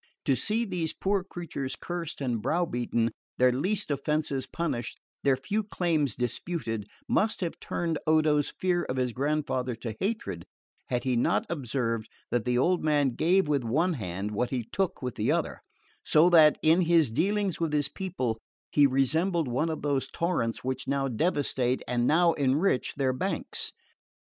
To see these poor creatures cursed and brow beaten, their least offences punished, their few claims disputed, must have turned Odo's fear of his grandfather to hatred, had he not observed that the old man gave with one hand what he took with the other, so that, in his dealings with his people, he resembled one of those torrents which now devastate and now enrich their banks.